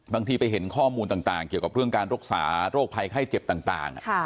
บางทีไปเห็นข้อมูลต่างต่างเกี่ยวกับเรื่องการรักษาโรคภัยไข้เจ็บต่างต่างค่ะ